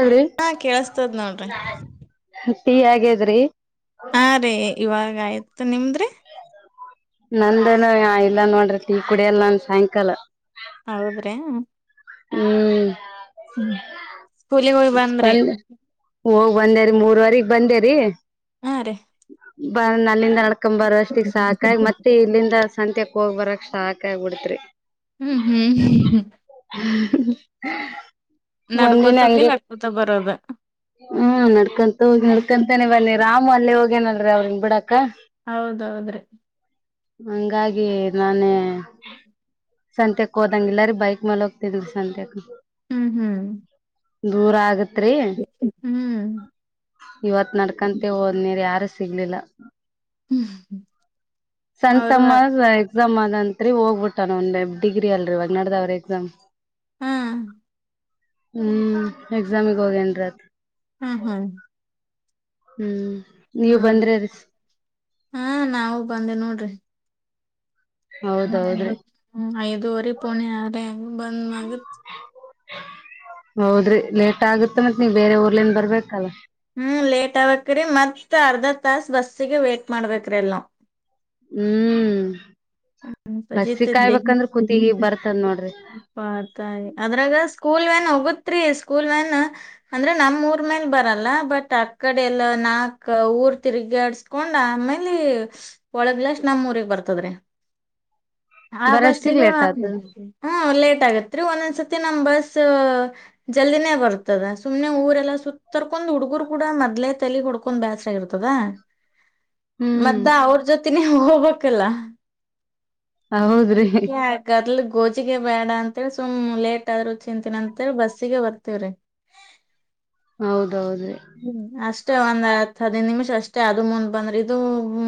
ಅಲ್ರಿ ಹಾ ಕೇಳಸ್ತದ್ ನೋಡ್ರಿ ಟೀ ಆಗ್ಯದ್ರಿ. ಹಾ ರೀ ಇವಾಗಾಯ್ತು ನಿಮ್ದ್ರಿ ನಂದೇನ ಇಲ್ಲಾ ನೋಡ್ರಿ ಕುಡಿಯಲ್ಲ ನನ್ ಸಾಯಂಕಾಲ ಹೌದ್ರಿ ಹ್ಮ್ ಹ್ಮ ಸ್ಕೂಲಿಗೆ ಹೋಗಿ ಬಂದ್ರಿ ಸ್ಪಂದ ಹೋಗ್ ಬಂದೇರಿ ಮೂರ್ವರೆಗ್ ಬಂದೇರಿ ಹಾ ರೀ ಬ ಅಲ್ಲಿಂದ ನಡ್ಕೊ ಬರ ಅಷ್ಟಿಗೆ ಸಾಕಾಗಿ ಮತ್ತೆ ಇಲ್ಲಿಂದ ಸಂತೆ ಹೋಗ್ ಬರಕ್ ಶಾಕ್ ಆಗ್ಬಿಡತ್ರಿ ಹ್ಮ್ ಹ್ಮ್ ಹ್ಮ್ ಹ್ಮ [inaudible] ನಡ್ಕೊತೋಗಿ ನಡ್ಕೊತ ಬರೋದ ಹ್ಮ್ ನಡ್ಕಂತು ಹೋಗಿ ನಡ್ಕಂತಾನ ಬನ್ನಿ ರಾಮು ಅಲ್ಲೇ ಹೋಗೇನಲ್ರರಿ ಅವ್ರಿನ್ ಬಿಡಾಕ ಹೌದೌದ್ರೆ ಹಂಗಾಗಿ ನಾನೇ ಸಂತೆಕ್ಕೆ ಹೋದಂಗಗೆಲ್ಲಾರಿ ಬೈಕ್ ಮಲೋಗ ತಿದುಗ ಸಂತೆಕ್ ಹ್ಮ್ ಹ್ಮ್ ದೂರ ಆಗತ್ರೀ ಹ್ಮ್ ಇವತ್ ನಡ್ಕಂತ ಹೋದ್ನಿರಿ ಯಾರ ಸಿಗ್ಲಿಲ್ಲ ಹ್ಮ್ ಸಣ್ಣ ಅವರು ತಮ್ಮ ಹಾ ಎಕ್ಸಾಮ್ ಆದಂತ್ರಿ ಹೋಗ್ಬಿಟ್ಟಾನ ಒಂದೆ ಡಿಗ್ರಿ ಅಲ್ರಿವಾಗ ನಡ್ದವ್ರೆ ಎಕ್ಸಾಮ್ ಹ್ಮ್ ಎಕ್ಸಾಮಿಗ್ ಹೋಗೇನ್ರತ್ ಹಾ ಹಾ ಹ್ಮ್ ನೀವ್ ನೋಡಿ ಬಂದ್ರರಿ ಹಾ ನಾವವು ಬಂದೆ ನೋಡ್ರಿ ಹೌದೌದ್ರಿ ಹ ಐದುವರೆ ಪೋನ ಆದ್ರ ಬಂದ ಮಗತ್ ಹೌದ್ರಿ ಲೇಟ್ ಆಗುತ್ತೆ ಮತ್ ನೀವ ಬೇರೆ ಊರ್ಲಿಂದ ಬರ್ಬೇಕಲ್ಲ ಹ್ಮ್ ಲೇಟ್ ಆಕ್ರೀ ಮತ್ತ್ ಅರ್ಧರ್ ತಸ್ ಬಸ್ಸಿಗೆ ವೇಟ್ ಮಾಡ್ಬೇಕ್ರಿ ಅಲ್ ನಾವು ಹ್ಮ್ ಬಸ್ಸಿಗೆ ಪಜಿತೈತಿ ಕಾಯಬೇಕಂದ್ರ ಕೂತಿ ಹಿಗ್ ಬರ್ತದ ನೋಡ್ರಿ ಬತ ಅದ್ರಾಗ ಸ್ಕೂಲ್ ವ್ಯಾನ್ ಹೋಗತ್ರಿ ಸ್ಕೂಲ್ ವ್ಯಾನ್ ಅಂದ್ರೆ ನಮ ಊರ್ ಮೇಲ್ ಬರಲ್ಲ ಬಟ್ ಆಕಡೆ ಎಲ್ಲ ನಾಕ್ ಊರ್ ತಿರ್ಗಾಡ್ ಹಕೊಂಡ ಆಮೇಲಿ ಒಳಗ್ ಗ್ಲಾಸ್ ನಮೋರಿಗ್ ಬರ್ತದ್ರೀ ಆ ಬರಷ್ಟಿಗ್ ಬಸ್ಸಿಗ ಲೇಟ್ ಆತದ ಹ ಲೇಟ್ ಆಗತ್ರಿ ಒಂದೊಂದ್ಸತಿ ನಮ್ ಬಸ್ ಜಲ್ದಿನೇ ಬರ್ತದ ಸುಮ್ನೆ ಊರೆಲ್ಲಾ ಸುತ್ತ ತರ್ಕೊಂಡ್ ಹುಡ್ಗರು ಕೂಡ ಮೊದ್ಲೆ ತಲಿ ಹಡ್ಕ ಕೊಂಡ ಬ್ಯಸ್ರ ಆಗರ್ತದ ಹ್ಮ್ ಮತ್ತ ಅವ್ರ ಜೊತೆ ನೀ ಹೋಗ್ಬೇಕಕ್ಲ್ಲ ಹೌದ್ರಿ ಅದಲ್ಲಿ ಗೋಜಿಗೆ ಬೇಡ ಅಂತೇಳಿ ಸುಮ್ ಲೇಟ್ ಆದ್ರು ಚಂತಿನ ಅಂತೇಳ ಬಸ್ಸಿಗೆ ಬರ್ತವ್ರಿ ಹೌದೌದು ಹ್ಮ್ ಅಷ್ಟೇ ಒಂದ್ ಹತ್ ಹದೈದು ನಿಮಿಷ ಅಷ್ಟೇ ಅದು ಮುಂದ್ ಬಂದ್ರಿ ಇದು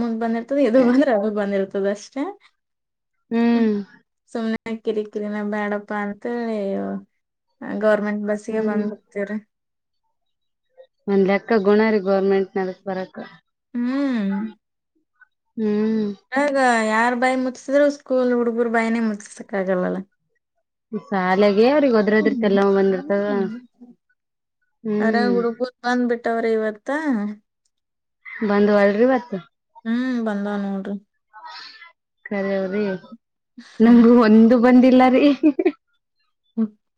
ಮುಂದ್ ಬಂದಿ ದು ಬಂದ್ರೆ ಅದು ಬಂದಿ ಇರ್ತದೆ ಅಷ್ಟೇ ಹ್ಮ್ ಸುಮ್ನೆ ಹ ಕಿರಿ ಕಿರಿನ ಬೇಡಪ್ಪಾ ಅಂತೇಳಿ ಗೌರ್ಮೆಂಟ್ ಬಸ್ ಗೆ ಹ್ಮ್ ಬಂದ್ಬಡ್ತೇವ್ರೀ ಒಂದ್ ಲೆಕ್ಕ ಗುಣ ರೀ ಗೌರ್ಮೆಂಟ್ ನದಕ್ ಬರಕ್ಕ ಹ್ಮ್ ಹ್ಮ್ ಯಾರ್ ಬಾಯಿ ಮುತ್ಸಿದ್ರು ಸ್ಕೂಲ್ ಹುಡುಗರು ಬಾಯನೇ ಮುತ್ಸಕ್ ಆಗಲ್ಲಲ್ಲ ಶಾಲೆಗೆ ಅವ್ರಗ್ ಹದ್ರದ್ರ ಕೆಲ್ಲವ ಬಂದಿರ್ತದ ಹ್ಮ್ ಬಂದ್ಬಿಟ್ಟವ್ರ ಇವತ್ತಾ ಬಂದ್ ಒಲ್ರಿವತ್ತು ಹ್ಮ್ ಬಂದಾವ ನೋಡ್ರಿ ಕರವ್ರಿ ನಂಗು ಹ್ಮ್ ಒಂದು ಬಂದಿಲ್ಲ ರೀ [unintelligible]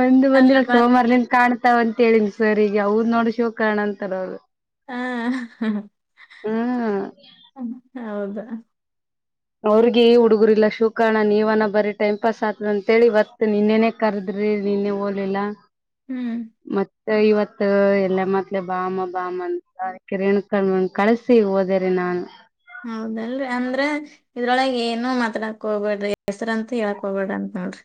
ಒಂದು ಅಲ್ಲ ಬಂದಿಲ್ಲ ಮತ್ ಸೋಮಾರ ನಿಂದ ಕಾಣು ಅತಾವ ಅಂತ ಹೇಳನ್ಸರ್ ಈಗ ಅವ್ ನೋಡ್ ಶಿವ ಕಣ ಅಂತಾರ ಅವರು ಹಾ ಹ್ಮ್ ಹೌದಾ ಅವ್ರಗ ಹುಡುಗರ್ ಇಲ್ಲ ಶಿವ ಕರ್ಣ ನೀವ ಅನ ಬರಿ ಟೈಮ್ ಪಾಸ್ ಆದತದ ಅಂತೇಳಿವತ್ ನಿನ್ನೆನೆ ಕರ್ದ್ರಿ ನೀನ್ನೆ ಓಲಿಲ್ಲಾ ಹ್ಮ್ ಮತ್ತ ಇವತ್ ಎಲ್ಲ ಮತ್ಲೆ ಬಾಮ ಬಾಮ ಅಂತ ಕಿಣ ಕಣ ಕಳಿಸಿ ಹೋದರೆ ನಾ ಹೌದಲ್ರಿ ಅಂದ್ರೆ ಇದ್ರೊಳಗೆ ಏನು ಮಾತಾಡಕ್ ಹೋಗಬೇಡ್ರಿ ಹೆಸರಂತ ಹೇಳಕ್ ಹೋಗಬಡ್ರ ಅಂತ ನೋಡ್ರಿ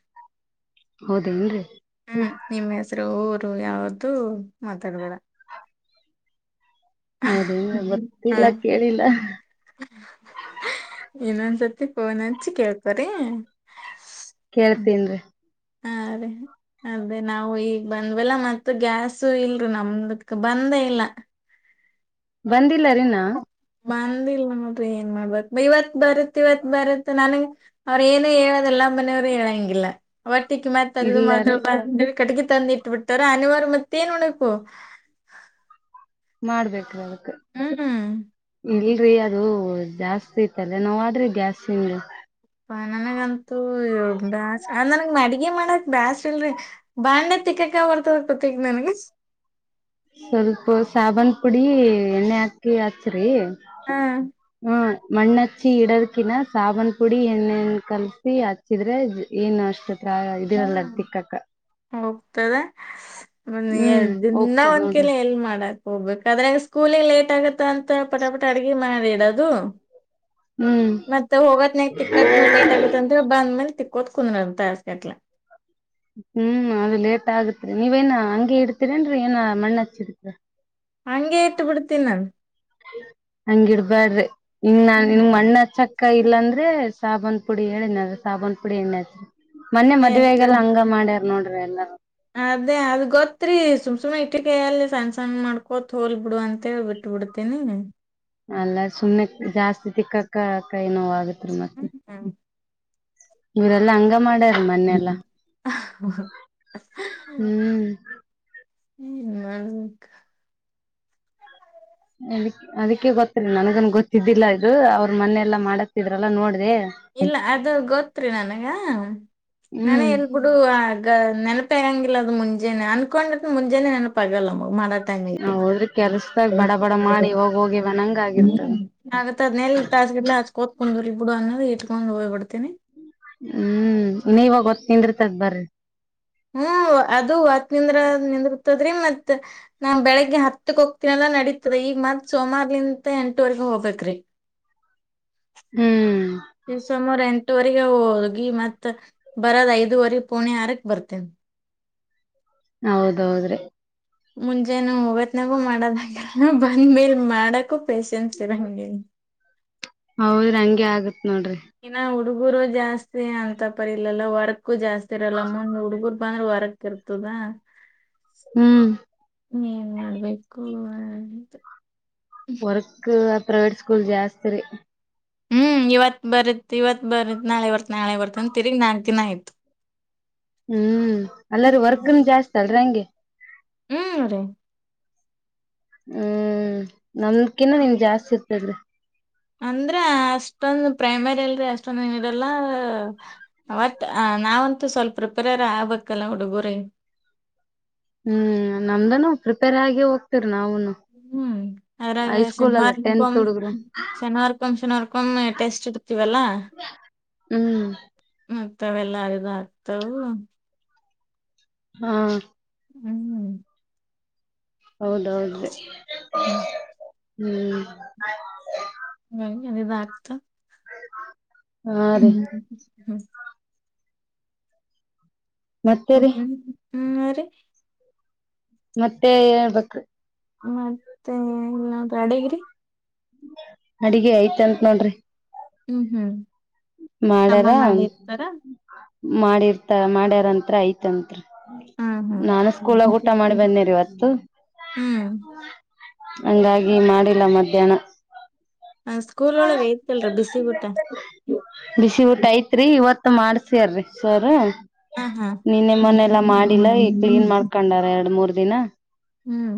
ಹೌದೇನ್ರರಿ ಹ್ಮ್ ನಿಮ್ಮ್ ಹೆಸರು ಊರು ಯಾವ್ದು ಮಾತಾಡ್ಬೇಡ ಹೌದೇನ್ರಿ ಹಾ ಗೊತ್ತಿಲ್ಲ ಕೇಳಿಲ್ಲ ಇನ್ನೊಂದ್ಸತಿ ಫೋನ್ ಹಚ್ಚಿ ಕೇಳ್ತರಿ ಕೇಳ್ತೇನ್ರಿ ಹಾ ಅದೇ ಅದೇ ನಾವು ಈಗ್ ಬಂದ್ವಲ್ಲ ಮತ್ತ ಗ್ಯಾಸ್ ಇಲ್ರಿ ನಮ್ದಕ್ ಬಂದೇ ಇಲ್ಲ ಬಂದಿಲ್ಲರಿನಾ ಬಂದಿಲ್ಲ ಮೆ ಏನ್ ಮಾಡ್ಬತ್ ಇವತ್ ಬರತ್ ಇವತ್ ಬರತ್ ನನ್ಗ್ ಅವ್ರ ಏನು ಹೇಳೋದೆಲ್ಲ ಮನೆಯವ್ರೇ ಹೇಳಂಗಿಲ್ಲ ಒಟ್ಟಿಕ್ ಮತ್ತತ್ ಅದು ಮ ಇಲ್ಲರಿ ಕಟ್ಗೆ ತಂದು ಇಟ್ಬಿಡ್ತಾರ ಅನಿವಾರ ಮತ್ತೇ ಏನ್ ಮಾಡಬೇಕು ಮಾಡ್ಬೇಕ್ರ ಅದಕ್ ಹ ಹಾ ಇಲ್ರರಿ ಅದು ಜಾಸ್ತಿ ತಲೆನೋವು ಆದರೆ ಆದ್ರಿ ಗ್ಯಾಸ್ಂಗ ನನಗಂತೂ ಬ ನನಗ್ ಮಾಡಿ ಈ ಮಾಡಕ್ ಬೇಸ್ ಇಲ್ರರಿ ಬಾಂಡೆ ತಿಕ್ಕಕ ಬರ್ತದ ಗೊತ್ತಗ ನನಗೆ ಸ್ವಲ್ಪ ಸಾಬನ್ ಪುಡಿ ಎಣ್ಣೆ ಹಾಕಿ ಹಚ್ಚ್ರಿ ಹ್ಮ ಮಣ್ಣ ಹಚ್ಚಿ ಇಡದಕಿನ ಸಾಬನ್ ಪುಡಿ ಎಣ್ಣೆಣ ಕಲ್ಸಿ ಹಚ್ಚಿದ್ರೆ ಏನ್ ಅಷ್ಟ ಇದಿರಲ್ಲ ಹ್ಮ್ ತಿಕ್ಕಕ್ಕ ಹೋಗ್ತದೆ ಮ ಎ ಹ್ಮ್ ದಿನ ಹೋಗ್ತದ್ ಒಂದ್ ಕಲ ನೋಡ್ರಿ ಎಲ್ಲಿ ಮಾಡಕ್ ಹೋಗ್ಬೇಕು ಅದ್ರೆ ಸ್ಕೂಲಿ ಲೇಟ್ ಆಗುತ್ತ ಅಂತ ಪಟಾಪಟ ಅಡೀಗ ಮಾಡೀಡದು ಹ್ಮ್ ಮತ್ತೆ ಹೋಗತ್ ನ ತಿಕ್ಕ ನವು ಲೇಟ್ ಆಗೈತ್ ಅಂದ್ರ ಬಂದ ಮೇಲೆ ತಿಕ್ಕೋತ್ ಕುಂದ್ರ ತಯಸ್ಕತ್ಲ ಹ್ಮ್ ಅದು ಲೇಟ್ ಆಗತ್ರಿ ನೀವೇನ್ ಹಂಗಗೆ ಇಡ್ತೀರಿನ್ರರಿ ಏನ ಮಣ್ಣ ಹಚ್ಚಿದತ್ರಿ ಹಗೆ ಇಟ್ಟು ಬಿಡ್ತೀನಿ ನಾನು ಅಂಗಡಿ ಬ್ಯಾಡ್ರಿ ಇನ್ ನಾನ್ ಇನ್ ಹ್ಮ್ ಮಣ್ಣ ಹಚ್ಚಕ್ ಕೈ ಇಲ್ಲಾ ಅಂದ್ರೆ ಸಾಬಾನ್ ಪುಡಿ ಹೇಳನದ ಸಾಬನ್ ಪುಡಿ ಎಣ್ಣೆತ್ರಿ ಮೊನ್ನೆ ಅದೇ ಮದ್ವೆೆಗೆಲ್ಲ ಹಂಗ ಮಾಡ್ಯಾರ್ ನೋಡ್ರಿ ಎಲ್ಲಾರ ಅದೇ ಅದ್ ಗೊತ್ತರಿ ಸುಮ್ ಸುಮನೆ ಇಟ್ಟ ಕೈಯಲ್ಲಿ ಸಣ್ಣ ಸಣ್ಣ ಮಾಡ್ಕೋತ ಹೋಲ್ ಬಿಡು ಅಂತ ಹೇಳಿ ಬಿಟ್ಟಬಿಡ್ತ ತನೆ ಅಲ್ಲ ಸುಮ್ಮನೆಕ್ ಜಾಸ್ತಿ ತಿಕ್ಕಕ್ಕ ಕೈ ನೋ ಆಗತ್ ಮತ್ತೆ ಹಾ ಇರೆಲ್ಲಾ ಹಂಗ ಮಾಡ್ಯಾರ ಮೊನ್ನೆಲ್ಲ ಹ್ಮ್ ನಾನು ಅದಿ ಅದಕ್ಕೆ ಗೊತ್ತರಿ ನನಗನ್ ಗೊತ್ತಿದ್ದಿಲ್ಲ ಇದು ಅವ್ರ ಮನೆ ಎಲ್ಲಾ ಮಾಡತಿದ್ರಲ್ಲ ನೋಡ್ರಿ ಇಲ್ಲ ಅದು ಗೊತ್ರಿ ನನಗ ನನ ಹ್ಮ್ ಎಲ್ ಬುಡು ಆ ನೆನಪಿಗಂಗಿಲ್ಲ ಅದು ಮುಂಜೆನೆ ಅನ್ಕೊಂಡು ಮುಂಜೆನೆ ನೆನಪಾಗಲ್ಲಮ್ಮ ಮಾಡ ನಾ ಹೋದ್ರಿ ಕೆಲ್ಸದಾಗ ಬಡ ಬಡ ಮಾಡಿ ಹೋಗಿ ಹೋಗಿವನಂಗ ಆಗಿರ್ತದೆ ನಗತ್ತದ್ನೇಲ್ ತಾಸ ಗಡ್ಲ ಹಚ್ಕೋತ್ ಕುಂದ್ರು ಇ ಬಿಡು ಅನ್ನೋ ಇಟ್ಕೊಂಡು ಹೋಗ್ಬಿಡ್ತನಿ ಹ್ಮ್ ನೀವಾಗೊತ್ತ್ ತಿಂದಿತದ್ ಬರ್ರಿ ಹ್ಮ್ ಅದು ಹೊತ್ ನಿಂದ್ರ ನಿಂದ್ರತ್ತದ್ರಿ ಮತ್ತತ್ ನಾನ್ ಬೆಳಿಗ್ಗೆ ಹತ್ತಕ್ ಹೋಗ್ತೀನಲ್ಲ ನಡೀತದೆ ಈಗ ಮತ್ ಸೋಮಾರಲಿಂತ ಎಂಟವರೆಗೆ ಹೋಗ್ಬೇಕ್ರೀ ಹ್ಮ್ ಸುಮಾರು ಎಂಟುವರೆಗೆ ಹೋಗಿ ಮತ್ತ್ ಬರದ್ ಐದುವರೆ ಪುಣೆ ಆರಕ್ ಬರ್ತೇನ್ ಹೌದೌದ್ರಿ ಮುಂಜೆನ ಒಗತ್ನಾಗು ಮಾಡದ ಬಂದ ಮೇಲ್ ಮಾಡಕು ಪೇಶನ್ಸ್ ಇರಂಗಗೆ ಹೌದ್ರಿ ಹಂಗೆ ಆಗತ್ ನೋಡ್ರಿ ಇನ್ನ ಹುಡುಗರು ಜಾಸ್ತಿ ಅಂತಪರಿಲ್ಲಲ್ಲ ವರ್ಕ್ ಜಾಸ್ತಿ ಇರಲ್ಲ ಮುಂದ್ ಹುಡುಗರು ಅಂದ್ರೆ ವರಕ್ ಇರ್ತದಾ ಹ್ಮ್ ಇ ಏನ್ ಮಾಡ್ಬೇಕುದು ವರ್ಕ್ ಪ್ರೈವೇಟ್ ಸ್ಕೂಲ್ ಜಾಸ್ತಿ ರೀ ಹ್ಮ್ ಇವತ್ ಬರತ್ ಇವತ್ ಬರತ್ ನಾಳೆ ಬರ್ತ್ ನಾಳೆ ಬರ್ತ ಅಂತ ತಿಗಗ್ ನಾಕಕ್ ದಿನ ಆಯ್ತು ಹ್ಮ್ ಅಲ್ಲರಿ ವರ್ಕ್ನ್ ಜಾಸ್ತಿ ಅಲ್ರಿ ಹಂಗೆ ಹ್ಮ್ ರೀ ಹ್ಮ್ ನಮಕಿನ್ನ ನಿನ್ ಜಾಸ್ತಿ ಇರ್ತದಿ ಅಂದ್ರ ಅಷ್ಟೊಂದ ಪ್ರೈಮರಿ ಅಲ್ರಿ ಅಷ್ಟೊಂದ ನೀಡಲ್ಲ ಅವತ್ ನಾವಂತೂ ಸ್ವಲ್ಪ ಪ್ರಿಪೇರ್ ಆಗ್ಬೇಕಲ್ಲ ಹುಡುಗರ ಹ್ಮ್ ನಮ್ದನು ಪ್ರಿಪೇರ್ ಆಗಿ ಹೋಗ್ತಿರ ನಾವನು ಹ್ಮ್ ಅದ್ರಾಗ ಶನಿವಾರಕೊ ಟೆಂತ್ ಹುಡುಗ್ರು ಶನಿವಾರ್ಕೊಮ್ ಶನಿವಾರ್ಕೊಮ್ಮ್ ಟೆಸ್ಟ್ ಇರ್ತೀವಲ್ಲಾ ಹ್ಮ್ ಮತ್ತತ್ವೆೆಲ್ಲಾರಿದ ಆಕ್ತವು ಹಾ ಹ್ಮ್ ಹೌದುದ್ರಿ ಹ್ಮ್ ಹ್ಮ್ ಹ [unintelligible] ಎಂಗೇನಿದು ಅರ್ಥ ಹಾ ಹ್ಮ ರೀ ಹ ಮತ್ತೇರಿ ಹ್ಮ್ ಮತ್ತೆ ಹೇಳ್ಬೇಕ ಮತ್ತೆ ಅಡಗಿರಿ ಅಡಿಗೆ ಆಯ್ತ್ಂತತ್ ನೋಡ್ರಿ ಹ್ಮ್ ಹ್ಮ್ ತಮ್ಮ ಮಾಡ್ಯಾರ ಮಾಡಿರ್ತಾರ ಮಾಡಿರ್ತ ಮಾಡ್ಯಾರಂತ್ ಆಯ್ತಂತ್ ಹಾ ಹಾ ನಾನು ಸ್ಕೂಲಾಗ ಊಟ ಮಾಡಿ ಬಂದೆರಿ ಇವತ್ತು ಹ್ಮ್ ಹಂಗಾಗಿ ಮಾಡಿಲ್ಲ ಮಧ್ಯಾಹ್ನ ಆ ಸ್ಕೂಲ್ ಒಳಗ ಐತಿಲ್ರರಿ ಬಿಸಿ ಊಟ. ಬಿಸಿ ಊಟ ಐತ್ರಿ ಇವತ್ತ ಮಾಡ್ಸ್ಯಾರಿ ಸರ್. ಹಾ ಹಾ ನಿನ್ನೆ ಮೊನೆೆಲ್ಲಾ ಮಾಡಿಲ್ಲ ಈ ಕ್ಲೀನ್ ಹ್ಮ್ ಮಾಡ್ಕೊಂಡಾರ ಎರಡ್ ಮೂರ್ ದಿನ. ಹ್ಮ್.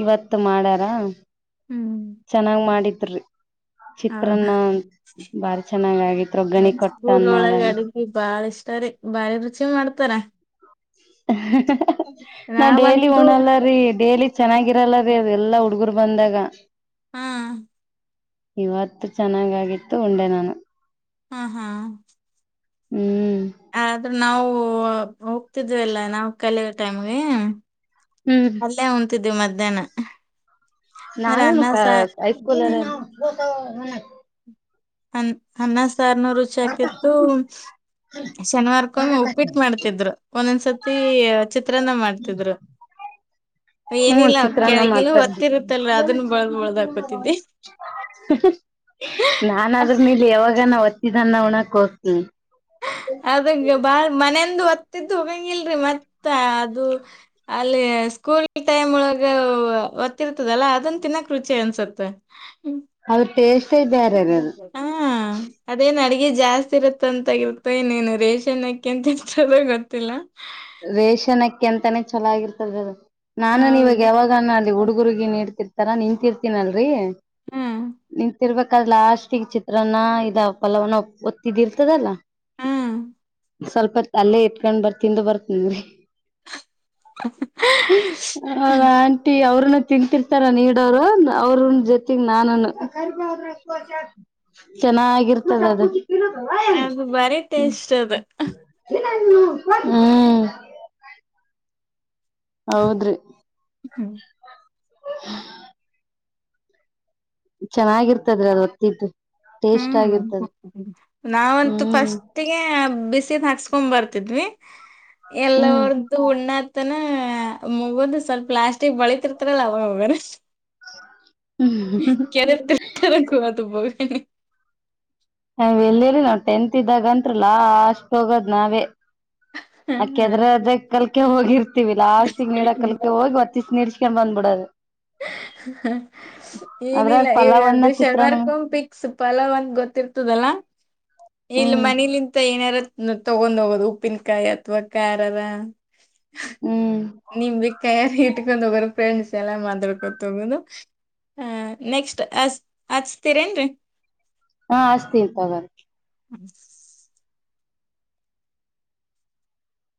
ಇವತ್ ಮಾಡಾರ ಹ್ಮ್ ಚೆನ್ನಾಗ್ ಮಾಡಿದ್ರಿ. ಚಿತ್ರಾನ್ನ ಹೌದಾ ಬಾರಿ ಚೆನ್ನಾಗ ಆಗಿತ್ತ ವಗ್ಗರಣಿ ಕೊಟ್ಟ ಅನ್ನ ಈ ಬಾಳ ಇಷ್ಟಾರಿ ಬಾರಿ ರುಚಿ ಮಾಡ್ತಾರ. [inaudible] ನಾ ಡೇಲಿ ನಾವಂತೂ ಉಣಲ್ಲರಿ ಡೇಲಿ ಚೆನ್ನಾಗಿರಲ್ಲರಿ ಅದ ಎಲ್ಲಾ ಹುಡ್ಗರ್ ಬಂದಾಗ. ಹ್ಮ. ಇವತ್ತು ಚೆನ್ನಾಗಾಗಿತ್ತು ಉಂಡೆ ನಾನು. ಹಾ ಹಾ. ಹ್ಮ್. ಆದ್ರೆ ನಾವು ಹೋಗ್ತಿದ್ವಿಲ್ಲ ನಾವು ಕಲಿಯೋ ಟೈಮ್ಗೆ ಹ್ಮ್. ಅಲ್ಲೇ ಉನ್ನತಿದ್ವಿ ಮಧ್ಯಾಹ್ನ. ಅಂದ್ರ ನಾವೇನ್ ಅನ್ನ ಸಾರ್ ಹೈಸ್ಕೂಲ್ ಅಲ್ಲಿ ಅ ಅನ್ನ ಸಾರ್ ನೂ ರುಚಿ ಆಗ್ತಿತ್ತು ಶನಿವಾರಕೊಮ್ಮೆ ಉಪ್ಪಿಟ್ಟು ಮಾಡ್ತಿರ. ತಿದ್ರ ಒಂದೊಂದ್ಸತಿ ಚಿತ್ರನ್ನ ಮಾಡ್ತಿದ್ರು. ಹ್ಮ ಏನಿಲ್ಲ ಚಿತ್ರಾನ್ನ ಕೆಳಗಿನ ಮಾಡ್ತಾರ ಹೊತ್ತಿರುತ್ತಲ್ಲ ಅದನ್ನು ಬಳ್ದ್ ಬಳ್ದ ಹಾಕೊತಿದ್ದಿ. ನಾನ್ ಅದ್ರ ಮೇಲೆ ಯಾವಾಗಾನ ಹೊತ್ತಿದನ್ನ ಉಣಕ್ ಹೋತೀನಿ. ಅದಗ ಬಾಳ್ ಮನೆಂದು ಹೊತ್ತಿದ್ದು ಹೋಗಂಗಿಲ್ರಿ ಮತ್ತ ಅದು ಅಲ್ಲಿ ಸ್ಕೂಲ್ ಟೈಮ್ ಒಳಗ ಒತ್ತಿರ್ತದಲ್ಲ ಅದನ್ ತಿನ್ನೋಕ್ ರುಚಿ ಅನ್ಸುತ್ತೆ. [inaudible] ಅದ ಟೇಸ್ಟ್ ಬೇರೆ ಅದ. ಹಾ. ಅದೇನ್ ಅಡಗೆ ಜಾಸ್ತಿ ಇರುತ್ತ ಅಂತಾಗಿರ್ತ ನೀನು ರೇಷನ್ಕ್ಕಿ ಅಂತತ್ತದ ಗೊತ್ತಿಲ್ಲ. ರೇಷನ ಅಕ್ಕೆ ಎಂತಾನೇ ಚಲಾಗಿರ್ತದ ಅದ ನಾನು ಇವಾಗ ಹೌದು ಯಾವಾಗ [unintelligible] ಅಲ್ಲಿ ಹುಡುಗುರ್ಗಿನ್ ನೀಡ್ತಿರ್ತಾರ ನಿನ್ಂತರ್ತನಲ್ರರಿ. ಹ್ಮ್ ನಿಂತಿರಬೇಕಾದರ ಲಾಸ್ಟ್ಗ ಚಿತ್ರಾನ್ನ ಇದ ಪಲವಾನ್ನ ಹೊತ್ತಿದ್ದ ಇರ್ತದಲ್ಲಾ ಹ್ಮ್ ಸ್ವಲ್ಪ ಹೊತ್ತ ಅಲ್ಲೇ ಇಟ್ಕೊಂಡ್ ಬರ್ತೀನಿ ತಿಂದು ಬರ್ತನ್ರಿ. ಹ ಆಂಟಿ ಅವ್ರನ್ನ ತಿಂತಿರ್ತಾರ ನೀಡವರು ಅವ್ರ ಜೊತೆಗ ನಾನುನು. ಚೆನ್ನಾಗಿರ್ತದ ಅದ. ಅದು ಬರಿ ಟೇಸ್ಟ ಅದ. ಹ್ಮ್. ಹೌದ್ರಿ ಚೆನ್ನಾಗಿರ್ತದ್ರಿ ಅದು ಹೊತ್ತಿದ್ದು ಹ್ಮ್ ನಾವಂತೂ ಹ್ಮ್ ಫಸ್ಟ್ ಒಟ್ಟಿಗೆ ಬಿಸಿದ ಹಾಕಿಸಿಕೊಂಡು ಬರ್ತಿದ್ವಿ ಹ್ಮ್ ಎಲ್ಲರ ಉಣ್ಣಾತ್ತನ ಮುಗದ ಸ್ವಲ್ಪ ಲಾಸ್ಟಿಗ್ ಬಳಿತಿರ್ತಾರಲ್ಲ ಅವ ಹೋಗೂನ ಕೆರೆತಿರುತ್ತಾರ ಅದ ಬೋಗಣಿ. ನಾವ್ ಎಲ್ಲಿರರಿ ನಾವ್ ಟೆಂತ್ ಇದ್ದಾಗಂತ್ರಿ ಲಾಷ್ಟ ಹೋಗದ್ ನಾವೇ. ಆ ಕೆದ್ರದ ಕಲ್ಕೆ ಹೋಗಿರ್ತಿವಿ ಲಾಸ್ಟ್ಗ ನೀಡಾಕ ಕಲ್ಕೆ ಹೋಗಿ ನೀಡಿಸಿಕೊಂಡು ಬಂದ ಬಿಡೋದು. ಹ ಹಾ ಏನಿಲ್ಲ ಅದ್ರಾಗ ಪಲಾವನ್ನ ಚಿತ್ರಾನ್ನ ಶನಿವಾರಕ ಪಿಕ್ಸ್ ಪಲಾವ್ ಒಂದ್ ಗೊತ್ತಿರ್ತದಲ್ಲಾ. ಇಲ್ಲಿ ಹ್ಮ್ ಮನಿಲಿಂತ ಏನಾರ ತಗೊಂಡ್ ಹೋಗೋದು ಉಪ್ಪಿನಕಾಯಿ ಅಥವಾ ಖಾರರ ಹ್ಮ್ ನಿಂಬಿ ಕಾಯಿ ಇಟ್ಕೊಂಡ್ ಹೋಗರು ಫ್ರೆಂಡ್ಸ್ ಎಲ್ಲಾ ಮಾತಾಡ್ಕೊತೋಗೋದು ಹ ನೆಕ್ಸ್ಟ್ ಅ ಹಚ್ತೀರೇಏನ್ರರಿ ಹಾ ಹಚ್ಚಿತೀವಿ ತೊಗೋರಿ ಹ್ಮ್